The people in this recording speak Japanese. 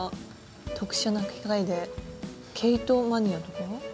特殊な機械で毛糸マニアとか？